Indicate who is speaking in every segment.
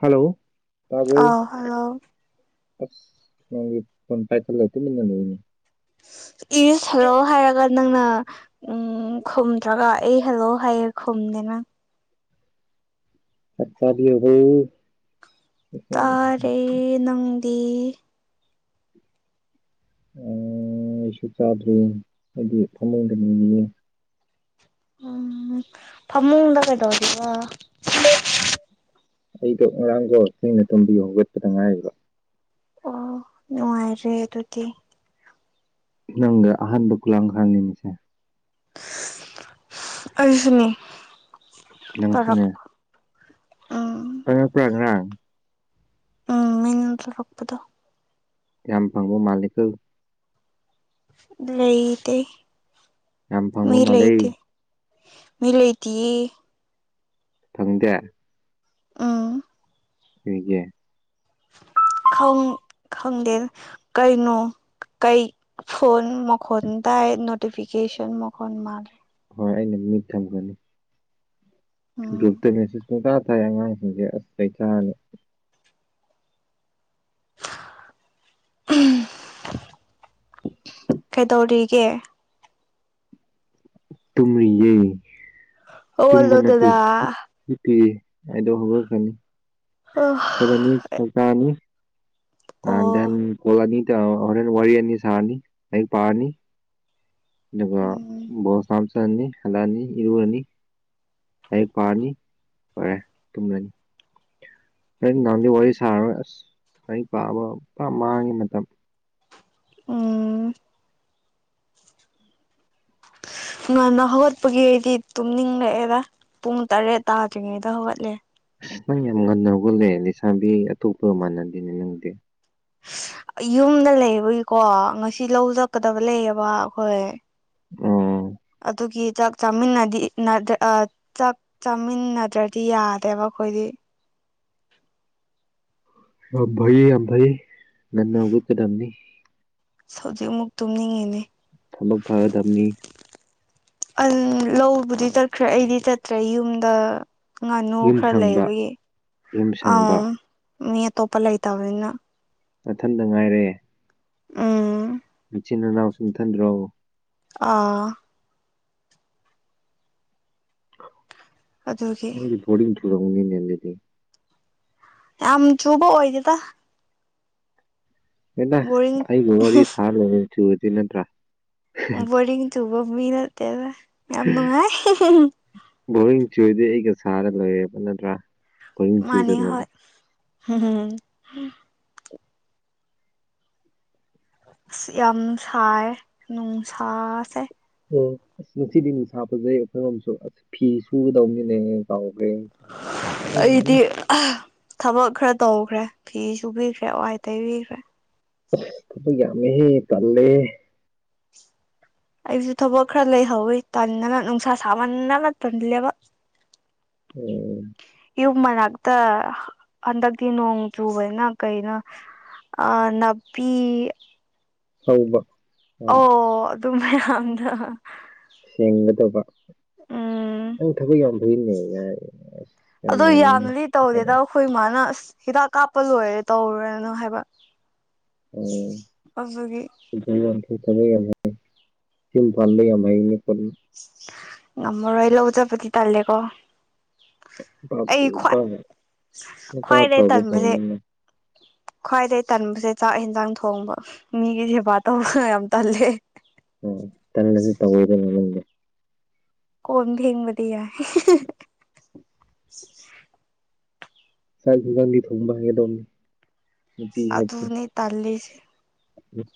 Speaker 1: Hello ꯇꯥꯕ꯭ꯔꯣ
Speaker 2: ꯑꯥꯎ hello
Speaker 1: ꯑꯁ ꯅꯪꯒꯤ ꯐꯣꯟ ꯄꯥꯏꯈꯠꯂꯝꯃꯤꯅꯤꯅꯦ
Speaker 2: ꯏꯁ ꯍꯦꯜꯂꯣ ꯍꯥꯏꯔꯒ ꯅꯪꯅ ꯎꯝ ꯈꯨꯝꯗ꯭ꯔꯒ ꯑꯩ ꯍꯦꯜꯂꯣ ꯍꯥꯏꯌꯦꯦ ꯈꯨꯝꯗꯦ ꯅ
Speaker 1: ꯆꯕꯤꯌꯣꯍꯦ
Speaker 2: ꯇꯥꯔꯦ ꯅꯪꯗꯤ
Speaker 1: ꯑꯣ ꯑꯩꯁꯨ ꯆꯥꯗ꯭ꯔꯤ ꯑꯩꯗꯤ ꯐꯃꯨꯡꯗꯅꯤꯌꯦ
Speaker 2: ꯎꯝ ꯐꯃꯨꯡꯗ ꯀꯩꯗꯧꯔꯤꯕ
Speaker 1: ꯑꯩꯗꯣ ꯉꯔꯥꯡꯗꯣ ꯊꯦꯡꯅ ꯇꯨꯝꯕꯒꯤ ꯍꯧꯒꯠꯄꯗ ꯉꯥꯏꯔꯤꯕ
Speaker 2: ꯑꯣ ꯅꯨꯡꯉꯥꯏꯔꯦ ꯑꯗꯨꯗꯤ
Speaker 1: ꯅꯪꯅ ꯑꯍꯥꯟꯕ ꯈꯨꯂꯥꯡ ꯈꯥꯡꯅꯤꯅꯤꯁꯦ
Speaker 2: ꯑꯩꯁꯨꯅꯤ
Speaker 1: ꯅꯪꯁꯨꯅꯦ
Speaker 2: ꯎꯝ
Speaker 1: ꯀꯩꯅꯣ ꯄ꯭ꯔꯦꯒꯦꯟ
Speaker 2: ꯎꯝ ꯃꯤꯡ ꯊꯣꯛꯔꯛꯄꯗꯣ
Speaker 1: ꯌꯥꯝ ꯐꯡꯖ ꯃꯥꯜꯂꯤꯀꯣ
Speaker 2: ꯂꯩꯇꯦ
Speaker 1: ꯌꯥꯝ ꯐꯪꯕ
Speaker 2: ꯃꯤ
Speaker 1: ꯃꯥꯜꯂꯦ
Speaker 2: ꯂꯩꯇꯦ ꯃꯤ ꯂꯩꯇꯤꯌꯤ
Speaker 1: ꯐꯪꯗꯦ
Speaker 2: ꯎꯝ
Speaker 1: ꯀꯔꯤꯒꯤ
Speaker 2: ꯈꯪ ꯈꯪꯗꯦꯗ ꯀꯩꯅꯣ ꯀꯩ ꯐꯣꯟ ꯃꯈꯣꯟ ꯇꯥꯏ ꯅꯣꯇꯤꯐꯤꯀꯦꯁꯟ ꯃꯈꯣꯟ ꯃꯥꯂꯦ
Speaker 1: ꯍꯣꯏ ꯑꯩꯅ ꯃꯤꯠ ꯊꯝꯈ꯭ꯔꯅꯤ
Speaker 2: ꯎꯝ
Speaker 1: ꯒ꯭ꯔꯨꯞꯇ ꯃꯦꯁꯦꯁ ꯄꯨꯡꯇꯥ ꯊꯥꯏ ꯑꯉꯥꯡꯁꯤꯡꯁꯦ ꯑꯁ ꯆꯩ ꯆꯥꯔꯅꯤ
Speaker 2: ꯀꯩꯗꯧꯔꯤꯒꯦ
Speaker 1: ꯇꯨꯝꯔꯤꯌꯦ ꯇꯨꯝꯕ ꯅꯠꯇꯦ
Speaker 2: ꯍꯧꯒꯠꯂꯣꯗꯅ
Speaker 1: ꯍꯤꯞ ꯍꯤꯞꯄꯤꯌꯦ ꯑꯩꯗꯣ ꯍꯧꯒꯠꯈ꯭ꯔꯅꯤ
Speaker 2: [unintelligible]
Speaker 1: [unintelligible] ꯇ ꯍꯣꯔꯦꯟ ꯋꯥꯔꯤ ꯑꯅꯤ ꯁꯥꯔꯅꯤ ꯂꯩꯔꯤꯛ ꯄꯥꯔꯅꯤ ꯗꯨꯒ
Speaker 2: ꯎꯝ
Speaker 1: ꯕꯣꯜ [unintelligible] ꯍꯜꯂꯑꯅꯤ ꯏꯔꯨꯔꯅꯤ ꯂꯥꯏꯔꯤꯛ ꯄꯥꯥꯔꯅꯤ ꯂꯣꯏꯔꯦ ꯇꯨꯝꯂꯅꯤ ꯍꯣꯔꯦꯟ ꯅꯨꯡꯗꯥꯡꯗꯤ ꯋꯥꯔꯤ ꯁꯥꯔꯔꯣꯏ ꯑꯁ ꯂꯥꯏꯔꯤꯛ ꯄꯥꯕ ꯄꯨꯔ ꯃꯥꯡꯉꯤ ꯃꯇꯝ
Speaker 2: ꯎꯝ ꯉꯟꯅ ꯍꯧꯒꯠꯄꯒꯤ ꯑꯩꯗꯤ ꯇꯨꯝꯅꯤꯡꯂꯑꯦꯗ ꯄꯨꯡ ꯇꯔꯦꯠ ꯇꯥꯗ꯭ꯔꯤꯉꯩꯗ ꯍꯧꯒꯠꯂꯦ
Speaker 1: ꯑꯁ ꯅꯪ ꯌꯥꯝ ꯉꯟꯅ ꯍꯧꯒꯠꯂꯦ ꯂꯩꯁꯥꯕꯤ ꯑꯇꯣꯞꯄꯒ ꯃꯥꯟꯅꯗꯦꯅꯦ ꯅꯪꯗꯤ
Speaker 2: ꯌꯨꯝꯗ ꯂꯩꯕꯒꯤꯀꯣ ꯉꯁꯤ ꯂꯧ ꯆꯛꯀꯗꯕ ꯂꯩꯌꯦꯕ ꯑꯈꯣꯏ
Speaker 1: ꯑꯣ
Speaker 2: ꯗꯨꯒꯤ ꯆꯥꯛ ꯆꯥꯃꯤꯟꯅꯗꯤ ꯅꯗ꯭ꯔꯦ ꯑꯥ ꯆꯥꯛ ꯆꯥꯃꯤꯟꯅꯗ꯭ꯔꯗꯤ ꯌꯥꯗꯦꯕ ꯑꯈꯣꯏꯗꯤ
Speaker 1: ꯌꯥꯝ ꯐꯩꯌꯦ ꯌꯥꯝ ꯐꯩꯌꯦ ꯉꯟꯅ ꯍꯧꯒꯠꯀꯗꯝꯅꯤ
Speaker 2: ꯍꯧꯖꯤꯛ ꯑꯃꯨꯛ ꯇꯨꯝꯅꯤꯡꯉꯤꯅꯦ
Speaker 1: ꯊꯕꯛ ꯐꯒꯗꯝꯅꯤ
Speaker 2: ꯑ ꯂꯧꯕꯨꯗꯤ ꯆꯠꯈ꯭ꯔꯦ ꯑꯩꯗꯤ ꯆꯠꯇ꯭ꯔꯦ ꯌꯨꯝꯗ ꯉꯥꯅꯨ
Speaker 1: ꯌꯨꯝ
Speaker 2: ꯈꯔ
Speaker 1: ꯁꯪꯕ
Speaker 2: ꯂꯩꯕꯒꯤ
Speaker 1: ꯌꯨꯝ ꯁꯪꯕ
Speaker 2: ꯑꯝ ꯃꯤ ꯑꯇꯣꯞꯄ ꯂꯩꯇꯕꯅꯤꯅ
Speaker 1: ꯅꯊꯟꯗ ꯉꯥꯏꯔꯦ
Speaker 2: ꯎꯝ
Speaker 1: ꯅꯆꯤꯟ ꯅꯅꯥꯎꯁꯨ ꯏꯊꯟꯗ꯭ꯔꯣ
Speaker 2: ꯑꯥ ꯑꯗꯨꯒꯤ
Speaker 1: ꯑꯩ ꯕꯣꯔꯤꯡ ꯆꯨꯔꯝꯅꯤꯅꯦ ꯑꯗꯨꯗꯤ
Speaker 2: ꯌꯥꯝ ꯆꯨꯕ ꯑꯣꯏꯗꯦꯗ
Speaker 1: ꯍꯦꯅ
Speaker 2: ꯕꯣꯔꯤꯡ
Speaker 1: ꯑꯩꯒ ꯋꯥꯔꯤ ꯁꯥꯔ ꯂꯣꯏꯔꯦ ꯆꯨꯔꯗꯤ ꯅꯠꯇ꯭ꯔꯥ
Speaker 2: ꯕꯣꯏꯔꯤꯡ ꯆꯨꯕ ꯃꯤ ꯅꯠꯇꯦꯗ ꯌꯥꯝ ꯅꯨꯉꯥꯏ
Speaker 1: ꯕꯣꯔꯤꯡ ꯆꯨꯔꯗꯤ ꯑꯩꯒ ꯁꯥꯔ ꯂꯣꯏꯔꯦꯕ ꯅꯠꯇ꯭ꯔꯥ ꯕꯣꯔꯤꯡ
Speaker 2: ꯃꯥꯅꯤ ꯍꯣꯏ
Speaker 1: ꯆꯨꯗꯅꯕ
Speaker 2: ꯑꯁ ꯌꯥꯝ ꯁꯥꯌꯦ ꯅꯨꯡꯁꯥꯁꯦ
Speaker 1: ꯑꯣ ꯑꯁ ꯉꯁꯤꯗꯤ ꯅꯨꯡꯁꯥ ꯐꯖꯩ ꯑꯈꯣꯏꯔꯣꯝꯁꯨ ꯑꯁ ꯐꯤ ꯁꯨꯒꯗꯧꯅꯤꯅꯦ ꯀꯥꯎꯒ꯭ꯔꯦ ꯑꯩꯁ
Speaker 2: ꯑꯩꯗꯤ ꯊꯕꯛ ꯈꯔ ꯇꯧꯈ꯭ꯔꯦ ꯐꯤ ꯁꯨꯕꯤꯈ꯭ꯔꯦ ꯋꯥꯏ ꯇꯩꯕꯤꯈ꯭ꯔꯦ
Speaker 1: ꯑꯁ ꯊꯕꯛ ꯌꯥꯝꯃꯤꯍꯦ ꯇꯜꯂꯦꯍꯦ
Speaker 2: ꯑꯩꯖꯨ ꯊꯕꯛ ꯈꯔ ꯂꯩꯍꯧꯋꯤ ꯇꯟꯗꯅ ꯅꯨꯡꯁꯥ ꯁꯥꯃꯟꯗꯅ ꯇꯟꯂꯦꯕ
Speaker 1: [unintelligible]
Speaker 2: ꯌꯨꯝ ꯃꯅꯥꯛꯇ ꯍꯟꯗꯛꯇꯤ ꯅꯣꯡ ꯆꯨꯕꯅ ꯀꯩꯅꯣ꯫ ꯑ ꯅꯥꯄꯤ
Speaker 1: ꯍꯧꯕ ꯌꯥꯝ
Speaker 2: ꯑꯣ ꯑꯗꯨ ꯃꯌꯥꯝꯗꫭ
Speaker 1: ꯁꯦꯡꯒꯗꯕ
Speaker 2: ꯎꯝ
Speaker 1: ꯅꯪ ꯊꯕꯛ ꯌꯥꯝ ꯐꯩꯅꯦ ꯌꯥꯏ ꯑꯁ ꯌꯥꯝ
Speaker 2: ꯑꯗꫭ
Speaker 1: ꯌꯥꯅꯤꯡꯉꯤ
Speaker 2: ꯌꯥꯝꯅꯗꯤ ꯇꯧꯗꯦꯗ ꯑꯩꯈꯣꯏ ꯃꯥꯅ ꯑꯁ ꯍꯤꯗꯥꯛ ꯀꯥꯞꯄ ꯂꯣꯏꯔꯦ ꯇꯧꯔꯨꯔꯅꯨ ꯍꯥꯏꯕ
Speaker 1: ꯎꯝ
Speaker 2: ꯑꯗꯨꯒꯤ
Speaker 1: [unintelligible] ꯊꯕꯛ ꯌꯥꯝ ꯌꯥꯡꯉꯦ ꯌꯨꯝ ꯄꯥꯟꯕ ꯌꯥꯝ ꯍꯩꯅꯤ [unintelligible]
Speaker 2: ꯉꯝꯃꯔꯣꯏ ꯂꯧ ꯆꯠꯄꯗꯤ ꯇꯥꯜꯂꯦꯀꯣ
Speaker 1: ꯅꯨꯄꯥꯕꯨ ꯅꯨꯄꯥꯉꯥꯏ ꯅꯨꯄꯥ ꯑꯐꯕ ꯐꯪꯅꯤꯡꯉꯥꯏ
Speaker 2: ꯈ꯭ꯋꯥꯏꯗꯒꯤ ꯇꯟꯕꯁꯦ ꯆꯥꯛ ꯌꯦꯟꯖꯥꯡ ꯊꯣꯡꯕ ꯃꯤꯒꯤ ꯁꯦꯕꯥ ꯇꯧꯕ ꯌꯥꯝ ꯇꯜꯂꯦ꯫
Speaker 1: ꯑꫭ ꯇꯟꯂꯗꯤ ꯇꯧꯋꯦꯗꯥꯏꯅꯦ ꯅꯪꯗꯤ
Speaker 2: ꯀꫭꯟ ꯐꯦꯡꯕꯗꯤ ꯌꯥꯏ꯫
Speaker 1: ꯆꯥꯛ ꯌꯦꯟꯖꯥꯡꯗꯤ ꯊꯣꯡꯕ ꯍꯩꯒꯗꯧꯅꯤ ꯅꯨꯄꯤ ꯍꯥꯏꯕꯁꯦ
Speaker 2: ꯑꯗꯨꯅꯤ ꯇꯜꯂꯤꯁꯦ
Speaker 1: ꯎꯝ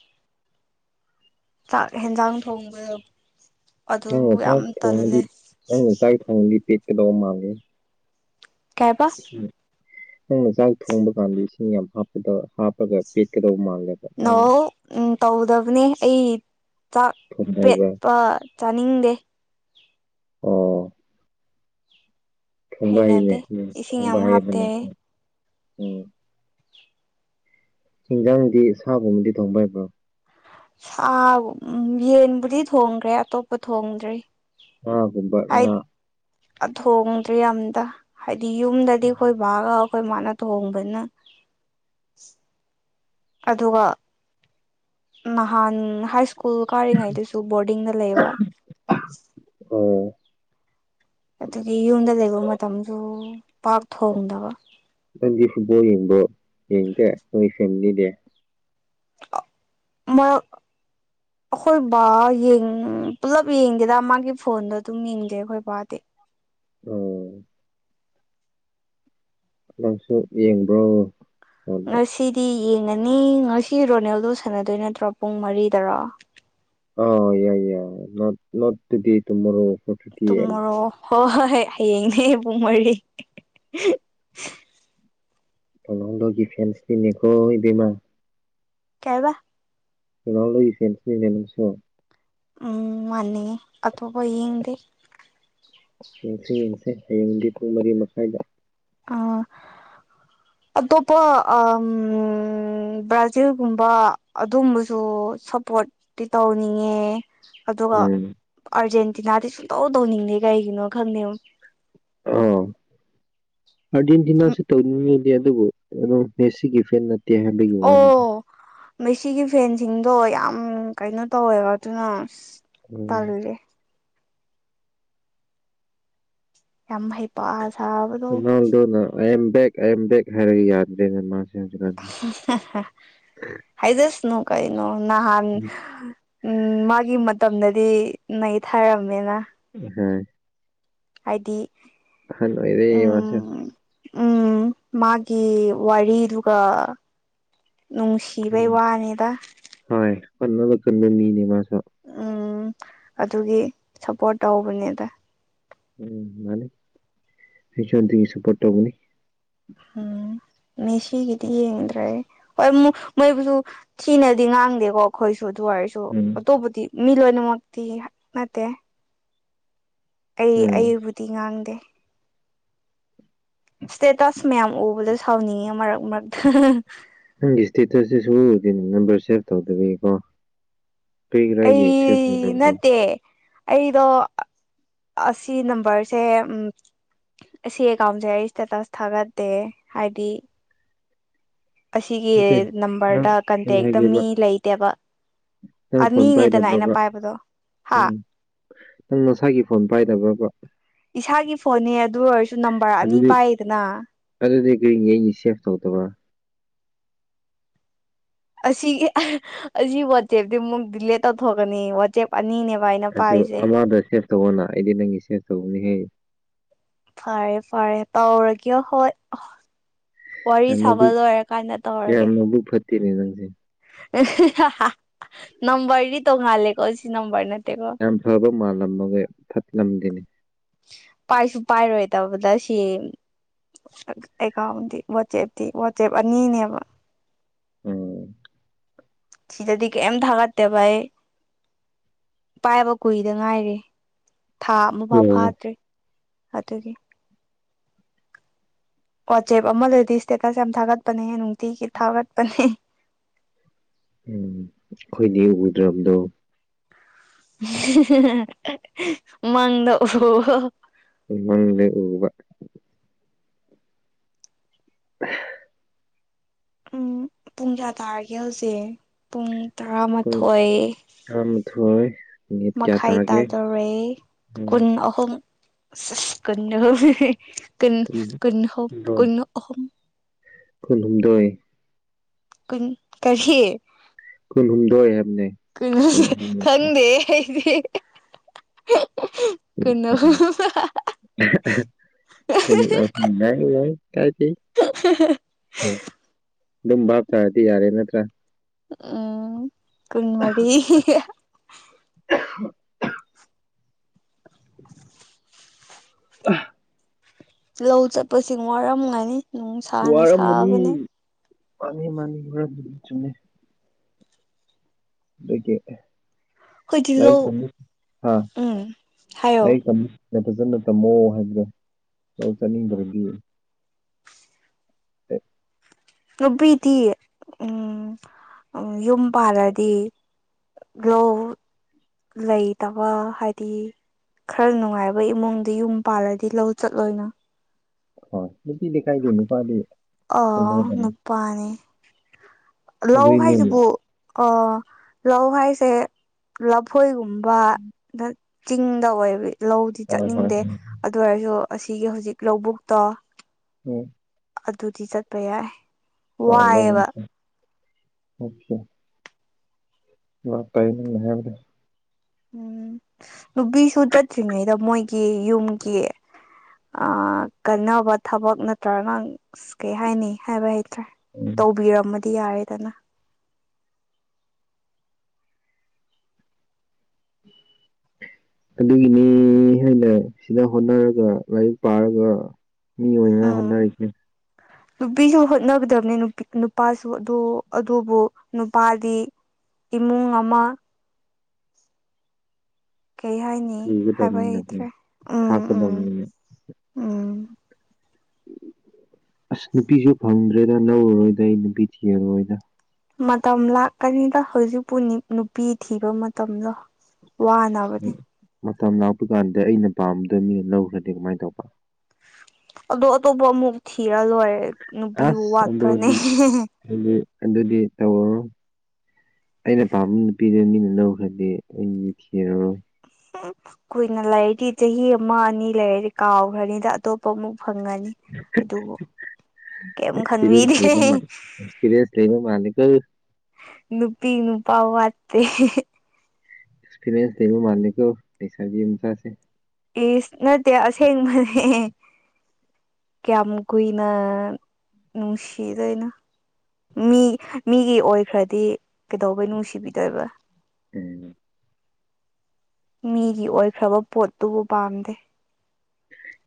Speaker 2: ꯆꯥꯛ ꯍꯦꯟꯖꯥꯡ ꯊꯣꯡꯕ
Speaker 1: ꯅꯪꯅ ꯆꯥꯛ ꯊꯣꯡꯉꯗꯤ ꯅꯪꯅ ꯆꯥꯛ ꯊꯣꯡꯉꯗꯤ ꯄꯦꯛꯀꯗꯧꯕ ꯃꯥꯜꯂꯦ꯫
Speaker 2: ꯀꯩ ꯍꯥꯏꯕ
Speaker 1: ꯏꯁ ꯅꯪꯅ ꯅꯪꯅ ꯆꯥꯛ ꯊꯣꯡꯕ ꯀꯥꯟꯗ ꯏꯁꯤꯡ ꯌꯥꯝ ꯍꯥꯞꯄꯗ ꯍꯥꯞꯄꯒ ꯄꯦꯠꯀꯗꯧꯕ ꯃꯥꯜꯂꯦ꯫
Speaker 2: ꯅꫭ ꯎꯝ ꯇꯧꯗꯕꯅꯦ ꯑꯩ ꯆꯥꯛ
Speaker 1: ꯊꯣꯡꯕ ꯍꯩꯕ꯭ꯔꯥ
Speaker 2: ꯄꯦꯠꯄ ꯆꯥꯅꯤꯡꯗꯦ
Speaker 1: ꯑꯣ ꯊꯣꯡꯕ ꯍꯩꯅꯦ
Speaker 2: ꯍꯩꯅꯗꯦ
Speaker 1: ꯎꯝ
Speaker 2: ꯏꯁꯤꯡ
Speaker 1: ꯊꯣꯡꯕ
Speaker 2: ꯌꯥꯝ ꯍꯥꯞꯇꯦ
Speaker 1: ꯍꯩꯕꯅꯦ
Speaker 2: ꯑꯩ
Speaker 1: ꯎꯝ ꯎꯝ ꯍꯦꯟꯖꯥꯡꯗꯤ ꯁꯥ ꯒꯨꯝꯕꯗꯤ ꯊꯣꯡꯕ ꯍꯩꯕ꯭ꯔꯣ
Speaker 2: ꯁꯥꯕꯨ ꯎꯝ ꯌꯦꯟꯕꯨꯗꯤ ꯊꯣꯡꯈ꯭ꯔꯦ ꯑꯇꯣꯞꯄ ꯊꯣꯡꯗ꯭ꯔꯤ
Speaker 1: ꯉꯥꯒꯨꯕ ꯉꯥ
Speaker 2: ꯑ ꯊꯣꯡꯗ꯭ꯔꯤ ꯑꯝꯇ ꯍꯥꯏꯗꯤ ꯌꯨꯝꯗꯗꯤ ꯑꯩꯈꯣꯏ ꯕꯥꯒ ꯑꯩꯈꯣꯏ ꯃꯥꯅ ꯊꫭꯡꯕꯅ ꯑꯗꯨꯒ ꯅꯍꯥꯟ ꯍꯥꯏ ꯁ꯭ꯀꯨꯜ ꯀꯥꯔꯤꯉꯩꯗꯨꯁꯨ ꯕꯣꯔꯗꯤꯡꯗ ꯂꯩꯕ꯫
Speaker 1: ꯑꯣ
Speaker 2: ꯑꯗꯨꯒꯤ ꯌꯨꯝꯗ ꯂꯩꯕ ꯃꯇꯝꯁꯨ ꯄꯥꯛ ꯊꯣꯡꯗꯕ
Speaker 1: ꯅꯪꯗꯤ ꯐꯨꯠꯕꯣꯜ ꯌꯦꯡꯕꯣ ꯌꯦꯡꯗ‌ꯦ ꯅꯣꯏ ꯐꯦꯃꯤꯂꯤꯗꯤ
Speaker 2: ꯃꯔꯛ ꯑꯩꯈꯣꯏ ꯕꯥ ꯌꯦꯡ ꯄꯨꯂꯞ ꯌꯦꯡꯗ‌ꯦꯗ ꯃꯥꯒꯤ ꯐꯣꯟꯗ ꯑꯗꯨꯝ ꯌꯦꯡꯖꯩ ꯑꯩꯈꯣꯏ ꯕꯥꯗꯤ
Speaker 1: ꯑꯣ ꯅꯪꯁꯨ ꯌꯦꯡꯕ꯭ꯔꯣ ꯑꯣ
Speaker 2: ꯉꯁꯤꯗꯤ ꯌꯦꯡꯉꯅꯤ ꯉꯁꯤ ꯔꯣꯅꯦꯜꯗꯣ ꯁꯥꯟꯅꯗꯣꯏ ꯅꯠꯇ꯭ꯔꯣ ꯄꯨꯡ ꯃꯔꯤꯗ꯭ꯔꯣ
Speaker 1: ꯑ ꯌꯥꯏꯌ‌ꯦ ꯅꯣꯠ ꯅꫭꯠ ꯇꯨꯗꯦ ꯇꯨꯝꯃꯣꯔꯣ ꯐꯣꯔ ꯐꯤꯐ
Speaker 2: ꯇꯨꯝꯃꯣꯔꯣ ꯍꯣꯏ ꯍꯣꯏ ꯍꯣꯏ ꯍꯌꯦꯡꯅꯦ ꯄꯨꯡ ꯃꯔꯤ
Speaker 1: ꯔꫭꯅꯥꯜꯗꯣꯒꯤ ꯐꯦꯟꯁꯇꯤꯅꯦꯀꯣ ꯏꯕ‌ꯦꯝꯃꯥ
Speaker 2: ꯀꯩ ꯍꯥꯏꯕ
Speaker 1: ꯔꫭꯅꯥꯜꯗꫭꯒꯤ ꯐꯦꯟꯁꯅꯤꯅ‌ꯦ ꯅꯪꯁꯨ
Speaker 2: ꯎꯝ ꯃꯥꯥꯟꯅ‌ꯦ ꯑꯇꯣꯞꯄ ꯌꯦꯡꯗꯦ
Speaker 1: ꯌꯦꯡꯁꯦ ꯌꯦꯡꯁꯦ ꯍꯌꯦꯡꯗꯤ ꯄꯨꯡ ꯃꯔꯤ ꯃꯈꯥꯏꯗ
Speaker 2: ꯑ
Speaker 1: [inaudible]
Speaker 2: ꯑꯇꯣꯞꯄ ꯑꯝ ꯕ꯭ꯔꯥꯖꯤꯜꯒꯨꯝꯕ ꯑꯗꯨꯝꯕꯁꯨ ꯁꯄꯣꯔꯠ ꯇꯤ ꯇꯧꯅꯤꯡꯉꯦ ꯑꯗꯨꯒ
Speaker 1: ꯎꯝ
Speaker 2: ꯑꯥꯔꯖꯦꯟꯇꯤꯅꯥꯗꯤ ꯁꯨꯡꯇꯧ ꯇꯧꯅꯤꯡꯗꯦ ꯀꯩꯒꯤꯅꯣ ꯈꯪꯗꯦꯉꫭ꯫
Speaker 1: ꯑꯣ ꯑꯔꯖꯦꯟꯇꯤꯅꯥꯁꯨ ꯇꯧꯅꯤꯡꯉꯤ꯫ ꯑꯗꯨꯕꯨ ꯀꯝ ꯃꯦꯁꯤꯒꯤ ꯐꯦꯟ ꯅꯠꯇꯦ ꯍꯥꯏꯕꯒꯤ ꯋꯥꯅꯤꯗ
Speaker 2: ꯃ‌ꯦꯁꯤꯒꯤ ꯐꯦꯟꯁꯤꯡꯗꯣ ꯌꯥꯝ ꯀꯩꯅꯣ ꯇꯧꯋꯦꯕ ꯑꯗꯨꯅ ꯑꯁ
Speaker 1: ꯎꯝ
Speaker 2: ꯇꯥꯜꯂꯦ ꯌꯥꯝ ꯍꯩ ꯄꯥ ꯁꯥꯕ
Speaker 1: ꯔꫭꯅꯟꯗꫭꯅ ꯑꯥ ꯑꯦꯝ ꯕꯦꯛ ꯑ ꯑꯦꯝ ꯕꯦꯛ ꯍꯥꯏꯔꯒ ꯌꯥꯗꯦꯅꯦ ꯃꯥꯁꯦ ꯍꯧꯖꯤꯛꯀꯥꯟꯁꯦ
Speaker 2: ꯍꯥꯏꯖꯁꯥꯅꯨ ꯀꯩꯅꫭ ꯅꯍꯥꯟ ꯎꯝ ꯃꯥꯒꯤ ꯃꯇꯝꯗꯗꯤ ꯅꯩꯊꯥꯔꯝꯃꯦꯅ
Speaker 1: ꯑꯝ ꯍꯥꯏ
Speaker 2: ꯍꯥꯏꯗꯤ
Speaker 1: ꯑꯍꯜ ꯑꫭꯏꯔ‌ꯦ ꯃꯥꯁꯨ
Speaker 2: ꯎꯝ ꯎꯝ ꯃꯥꯒꯤ ꯋꯥꯔꯤꯗꯨꯒ ꯅꯨꯡꯁꯤ ꯁꯤꯕꯩ ꯋꯥꯅꯤꯗ
Speaker 1: ꯍꫭꯏ ꯍꫭꯠꯅꯕ ꯀꯟꯕ ꯃꯤꯅꯦ ꯃꯥꯁꯨ
Speaker 2: ꯎꯝ ꯑꯗꯨꯒꯤ ꯁꯞꯄꯣꯔꯠ ꯇꯧꯕꯅꯦꯗ
Speaker 1: ꯎꯝ ꯃꯥꯅꯤ ꯏꯆꯟꯗꯤ ꯁꯄꯔ ꯇꯕꯨꯅꯤ
Speaker 2: ꯎꯝ ꯃꯦꯁꯤꯒꯤꯗꯤ ꯌꯦꯡꯗ꯭ꯔꯦ ꯍꯣꯏ ꯃꫭꯏ ꯃꯣꯏꯕꯨꯁꯨ ꯊꯤꯅꯗꯤ ꯉꯥꯡꯗꯦꯀꯣ ꯑꯩꯈꯣꯏꯁꯨ ꯑꯗꯨꯑꫭꯔꯁꯨ
Speaker 1: ꯎꯝ
Speaker 2: ꯑꯇꯣꯞꯄꯗꯤ ꯃꯤ ꯂꯣꯏꯅꯃꯛꯇꯤ ꯅꯠꯇꯦ ꯑꯩ
Speaker 1: ꯎꯝ
Speaker 2: ꯑꯩꯕꯨꯗꯤ ꯉꯥꯡꯗꯦ ꯏꯁꯇꯦꯇꯁ ꯃꯌꯥꯝ ꯎꯕꯗ ꯁꯥꯎꯅꯤꯡꯉꯦ ꯃꯔꯛ ꯃꯔꯛꯇ
Speaker 1: ꯅꯪꯒꯤ ꯏꯁꯇꯦꯇꯁꯇꯤ ꯁꯨꯡꯉꯨ ꯎꯨꯗ‌ꯦ ꯅꯝꯕꯔ ꯁꯦꯄ ꯇꯧꯗꯔꯤꯀꯣ ꯀꯔꯤꯒꯤꯅꯣ
Speaker 2: ꯑꯩ
Speaker 1: ꯍꯥꯏꯁꯦ ꯁ‌ꯦꯞ ꯇꯧꯗꯕꯗꫭ
Speaker 2: ꯅꯠꯇꯦ ꯑꯩꯗꯣ ꯑꯁꯤ ꯅꯝꯕꯔꯁꯦ ꯎꯝ ꯑꯁꯤ ꯑꯦꯀꯥꯎꯟꯁꯦ ꯑꯩ ꯏꯁꯇꯦꯇꯁ ꯊꯥꯒꯠꯇꯦ ꯍꯥꯏꯗꯤ ꯑꯁꯤꯒꯤ
Speaker 1: ꯅꯠꯇꯦ ꯅꯪ
Speaker 2: ꯅꯝꯕꯔꯗ
Speaker 1: ꯑꯩꯅ
Speaker 2: ꯀꯟꯇꯦꯛꯇ
Speaker 1: ꯍꯥꯏꯒꯦꯕ
Speaker 2: ꯃꯤ ꯂꯩꯇꯦꯕ
Speaker 1: ꯅꯪ ꯐꯣꯟ
Speaker 2: ꯑꯅꯤꯅꯦꯗꯅ ꯑꯩꯅ
Speaker 1: ꯄꯥꯏꯗꯕ꯭ꯔꯕ
Speaker 2: ꯄꯥꯏꯕꯗꯣ ꯍꯥ
Speaker 1: ꯎꯝ ꯅꯪ ꯅꯁꯥꯒꯤ ꯐꯣꯟ ꯄꯥꯏꯗꯕ꯭ꯔꯕ
Speaker 2: ꯏꯁꯥꯒꯤ ꯐꯣꯟꯅꯦ ꯑꯗꯨ ꯑꯣꯏꯔꯁꯨ ꯅꯝꯕꯔ ꯑꯅꯤ
Speaker 1: ꯑꯗꯨꯗꯤ
Speaker 2: ꯄꯥꯏꯌꯦꯗꯅ
Speaker 1: ꯑꯗꯨꯗꯤ ꯀꯔꯤꯅꯤ ꯑꯩꯅꯤ ꯁꯦꯞ ꯇꯧꯗꯕ꯭ꯔꯥ
Speaker 2: ꯑꯁꯤꯒꯤ ꯑꯁꯤꯒꯤ ꯋꯥꯆꯦꯞꯇꯤ ꯃꯨꯛ ꯗꯤꯂꯦ ꯇꯧꯊꯣꯛꯀꯅꯤ ꯏꯁꯇꯦꯞ ꯑꯅꯤꯅꯦꯕ ꯑꯩꯅ ꯄꯥꯔꯤꯁꯦ
Speaker 1: ꯇꯧꯕꯑꯣꯅ ꯑꯩꯗꯤ ꯅꯪꯒꯤ ꯁꯦꯁ ꯇꯧꯕꯅꯤ ꯍꯥꯏꯌꯦ
Speaker 2: ꯐꯔꯦ ꯐꯔꯦ ꯇꯥꯎꯔ ꯀꯌꯥ ꯍꯣꯏ ꯋꯥꯔꯤ
Speaker 1: ꯌꯥꯝ
Speaker 2: ꯁꯥꯕ ꯂꯣꯏꯔ ꯀꯥꯟꯗ ꯇꯧꯔꯒꯦ
Speaker 1: ꯇꯤꯔꯤꯖꯪꯁꯦ
Speaker 2: ꯅꯝꯕ꯭ꯔꯤꯁꯤꯗꯤ ꯇꯣꯡꯉꯥꯜꯂꯦꯀꯣ ꯑꯁꯤ ꯅꯝꯕ꯭ꯔꯤꯁꯤ
Speaker 1: ꯌꯥꯝ ꯐꯕ ꯃꯥꯜꯂꯝ ꯑꯃꯒꯤꯒ ꯐꯠ ꯂꯝꯒꯤꯅꯤ
Speaker 2: ꯄꯥꯏꯁꯨ ꯄꯥꯏꯔꯣꯏ ꯇꯕꯗ ꯁꯤ ꯑꯦꯀꯥꯎꯟꯗꯤ ꯋꯥꯆꯦꯞꯇꯤ ꯋꯥꯆꯦꯞ ꯑꯅꯤꯅꯦꯕ
Speaker 1: ꯎꯝ
Speaker 2: ꯁꯤꯗꯗꯤ ꯀꯩꯗꯥꯒꯠꯇꯦꯕ ꯑꯩ ꯄꯥꯏꯕ ꯀꯨꯏꯗ ꯉꯥꯏꯔꯦ ꯊꯥ ꯑꯃꯐꯥꯎ
Speaker 1: ꯑꯣ
Speaker 2: ꯐꯥꯗ꯭ꯔꯦ ꯑꯗꯨꯒꯤ ꯋꯥꯆꯦꯞ ꯑꯃ ꯂꯩꯗꯤ ꯏꯁꯇꯦꯇꯁ ꯌꯥꯝ ꯊꯥꯒꯠꯄꯅꯦ ꯅꯨꯡꯇꯤꯒꯤ ꯊꯥꯒꯠꯄꯅꯦ
Speaker 1: ꯎꯝ ꯑꯩꯈꯣꯏꯗꯤ ꯎꯗ꯭ꯔꯕꯗꯣ
Speaker 2: ꯃꯗ [unintelligible]
Speaker 1: ꯃꯡꯗꯥ ꯎꯕ ꯍ
Speaker 2: ꯎꯝ ꯄꯨꯡ ꯀꯌꯥ ꯇꯥꯔꯒꯦ ꯍꯧꯖꯤꯛ ꯄꯨꯡ ꯇꯔꯥꯃꯥꯊꯣꯏ
Speaker 1: ꯑ ꯃꯗꯨ ꯍꯣꯏ
Speaker 2: ꯃꯈꯥꯏ ꯇꯥꯖꯣꯔꯦ
Speaker 1: ꯎꯝ
Speaker 2: ꯀꯨꯟ ꯑꯍꯨꯝ ꯀꯟꯅꯍ ꯀꯟ
Speaker 1: ꯄꯨꯡ
Speaker 2: ꯀꯟꯅꯍ
Speaker 1: ꯍꯨꯝꯗꯣꯏ
Speaker 2: ꯀꯟꯅ ꯑꯍꯨꯝ
Speaker 1: ꯀꯨꯟꯍꯨꯝꯗꯣꯏ
Speaker 2: ꯀꯟ ꯀꯔꯤꯌꯦ
Speaker 1: ꯀꯨꯟꯍꯨꯝꯗꯣꯏ ꯍꯥꯏꯕꯅꯦ ꯀꯩꯅꯣ
Speaker 2: ꯈꯪꯗꯦ ꯑꯩꯗꯤꯦ [inaudible]
Speaker 1: ꯎ ꯌꯥ ꯌꯥ ꯀꯥꯏ ꯎ ꯑꯗꯨꯝ ꯚꯥꯞ ꯆꯥꯔꯗꯤ ꯌꯥꯔꯦ ꯅꯠꯇ꯭ꯔꯥ
Speaker 2: ꯎꯝ ꯀꯨꯟꯃꯔꯤ
Speaker 1: ꯑꯥꯍꯨ ꯑ
Speaker 2: ꯂꯧ ꯆꯠꯄꯁꯤꯡ ꯋꯥꯔꯝꯒꯥꯏꯅꯤ
Speaker 1: ꯋꯥꯔꯝꯃꯅꯤ ꯃꯥꯅꯤ ꯃꯥꯅꯤ ꯋꯥꯔꯝꯅꯤ ꯆꯨꯝꯅꯤ
Speaker 2: ꯑꯩꯈꯣꯏꯗꯤ ꯂꯧ
Speaker 1: ꯍꯥ
Speaker 2: ꯎꯝ ꯍꯥꯏꯌꯣ
Speaker 1: ꯑꯩ ꯅ ꯐꯖꯅ ꯇꯝꯃꯣ ꯍꯥꯏꯕ꯭ꯔꯥ ꯆꯥꯅꯤꯡꯗ꯭ꯔꯗꯤ ꯍ
Speaker 2: ꯅꯨꯄꯤꯗꯤ ꯎꯝ ꯌꯨꯝ ꯄꯥꯜꯂꯗꯤ ꯒꯣ ꯂꯩꯇꯕ ꯍꯥꯏꯗꯤ ꯈꯔ ꯅꯨꯡꯉꯥꯏꯕ ꯏꯃꯨꯡꯗ ꯌꯨꯝ ꯄꯥꯜꯂꯗꯤ ꯂꯧ ꯆꯠꯂꯣꯏꯅ
Speaker 1: ꯍꯣꯏ ꯅꯨꯄꯤꯗꯤ ꯀꯥꯏꯗꯦ ꯅꯨꯄꯥꯗꯤ
Speaker 2: ꯑ
Speaker 1: ꯍꯣꯠꯅꯒꯗꯕꯅꯤ
Speaker 2: ꯅꯨꯄꯥꯅꯤ ꯂꯧ
Speaker 1: ꯑꯗꯨꯏꯅꯦ
Speaker 2: ꯍꯥꯏꯁꯤꯕꯨ ꯑ ꯂꯧ ꯍꯥꯏꯁꯦ ꯂꯐꯣꯏꯒꯨꯝꯕ ꯕ ꯆꯤꯡꯗ ꯑꯣꯏꯕ ꯂꯧꯗꯤ
Speaker 1: ꯍꯣꯏ ꯍꯣꯏ
Speaker 2: ꯆꯠꯅꯤꯡꯗꯦ ꯑꯗꯨ ꯑꯣꯏꯔꯁꯨ ꯑꯁꯤꯒꯤ ꯍꯧꯖꯤꯛ ꯂꯧꯕꯨꯛꯇꯣ
Speaker 1: ꯑꯣ
Speaker 2: ꯑꯗꯨꯗꯤ ꯆꯠꯄ ꯌꯥꯏ
Speaker 1: ꯀꯂ
Speaker 2: ꯋꯥꯏꯑꯦꯕ
Speaker 1: ꯂ ꯇꯥꯏ ꯍꯥꯏꯕꯗ
Speaker 2: ꯎꯝ ꯅꯨꯄꯤꯁꯨ ꯆꯠꯇ꯭ꯔꯤꯉꯩꯗ ꯃꯣꯏꯒꯤ ꯌꯨꯝꯒꯤ ꯀꯟꯅꯕ ꯊꯕꯛ ꯅꯠꯇ꯭ꯔꯒ ꯀꯩ ꯍꯥꯏꯅꯤ ꯍꯥꯏꯕ ꯍꯥꯏ
Speaker 1: ꯎꯝ
Speaker 2: ꯭ ꯇꯧꯕꯤꯔꯝꯃꯗꯤ ꯌꯥꯔꯦꯗꯅ
Speaker 1: [inaudible] ꯑꯗꯨꯒꯤꯅꯤ ꯍꯥꯏꯅ ꯁꯤꯅ ꯍꯣꯠꯅꯔꯒ ꯂꯥꯏꯔꯤꯛ ꯄꯥꯔꯒ ꯃꯤ ꯑꯣꯏ
Speaker 2: ꯎꯝ
Speaker 1: ꯍꯣꯗꯥꯔꯦ
Speaker 2: ꯅꯨꯄꯤꯁꯨ ꯍꯣꯠꯅꯒꯗꯕꯅꯦ ꯅꯨꯄꯥꯁꯨ ꯑꯗꯨꯕꯨ ꯅꯨꯄꯥꯗꯤ ꯏꯃꯨꯡ ꯑꯃ ꯀꯩ ꯍꯥꯏꯅꯤ ꯍꯥꯏꯕ
Speaker 1: ꯄꯨꯒꯗꯕꯅꯤꯅꯀꯣ
Speaker 2: ꯍꯩꯇ꯭ꯔꯦ ꯎꯝ ꯎꯝ ꯎꯝ
Speaker 1: ꯎꯝ ꯑꯁ ꯅꯨꯄꯤꯁꯨ ꯐꯪꯗ꯭ꯔꯦꯗ ꯅꯧꯔꯔꯣꯏꯗ ꯑꯩ ꯅꯨꯄꯤ ꯊꯤꯔꯣꯏꯗ
Speaker 2: ꯃꯇꯝ ꯂꯥꯛꯀꯅꯤꯗ ꯍꯧꯖꯤꯛꯄꯨ ꯅꯨꯄꯤ ꯊꯤꯕ ꯃꯇꯝꯗꯣ ꯋꯥꯅꯕꯅꯦ
Speaker 1: ꯃꯇꯝ ꯂꯥꯛꯄ ꯀꯥꯟꯗ ꯑꯩꯅ ꯄꯥꯝꯕꯗꯣ ꯃꯤꯅ ꯂꯧꯈ꯭ꯔꯅꯤ ꯀꯃꯥꯏꯅ ꯇꯧꯕ
Speaker 2: ꯑꯗꯣ ꯑꯇꯣꯞꯄ ꯑꯃꯨꯛ ꯊꯤꯔ ꯂꯣꯏꯔꯦ ꯅꯨꯄꯤꯕꯨ
Speaker 1: ꯑꯁ
Speaker 2: ꯋꯥꯠꯄ꯭ꯔꯅꯦ
Speaker 1: ꯑꯗꯨꯗꯤ ꯑꯗꯨꯗꯤ ꯇꯧꯔꯔꯣꯏ ꯑꯩꯅ ꯄꯥꯝꯕ ꯅꯨꯄꯤꯗꯨ ꯃꯤꯅ ꯂꯧꯈ꯭ꯔꯗꯤ ꯑꯩꯗꯤ ꯅꯨꯄꯤ ꯊꯤꯔꯔꯣꯏ
Speaker 2: ꯀꯨꯏꯅ ꯂꯩꯔꯗꯤ ꯆꯍꯤ ꯑꯃ ꯑꯅꯤ ꯂꯩꯔꯗꯤ ꯀꯥꯎꯈ꯭ꯔꯅꯤꯗ ꯑꯇꯣꯞꯄ ꯑꯃꯨꯛ ꯐꯪꯉꯅꯤ ꯑꯗꯨ ꯀꯔꯤꯝ ꯈꯟꯕꯤꯗꯦ
Speaker 1: ꯑꯦꯛꯁꯄꯤꯔꯤꯌꯦꯟꯁ ꯂꯩꯕ ꯃꯥꯜꯂꯤ ꯑꯦꯛꯁꯄꯤꯔꯤꯌꯦꯟꯁ ꯂꯩꯕ ꯃꯥꯜꯂꯤꯀꯣ
Speaker 2: ꯅꯨꯄꯤ ꯅꯨꯄꯥ ꯋꯥꯠꯇꯦ
Speaker 1: ꯑꯦꯛꯁꯄꯤꯔꯤꯌꯦꯟꯁ ꯂꯩꯕ ꯃꯥꯥꯜꯂꯤꯀꯣ ꯂꯩꯁꯥꯕꯤ ꯃꯆꯥꯁꯦ
Speaker 2: ꯏꯁ ꯅꯠꯇꯦ ꯑꯁꯦꯡꯕꯅꯦ ꯀꯌꯥꯝ ꯀꯨꯏꯅ ꯅꯨꯡꯁꯤꯗꯣꯏꯅꯣ ꯃꯤ ꯃꯤꯒꯤ ꯑꯣꯏꯈ꯭ꯔꯗꯤ ꯀꯩꯗꯧꯕꯩ ꯅꯨꯡꯁꯤꯕꯤꯗꯣꯏꯕ
Speaker 1: ꯀꯔꯤꯅꯣ
Speaker 2: ꯃꯤꯒꯤ ꯑꯣꯏꯈ꯭ꯔꯕ ꯄꯣꯠꯇꯨꯕꯨ ꯄꯥꯝꯗꯦ